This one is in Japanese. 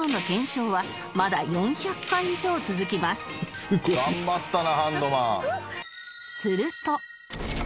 「すごい」「頑張ったなハンドマン」